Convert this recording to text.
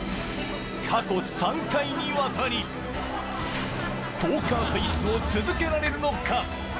過去３回にわたりポーカーフェースを続けられるのか。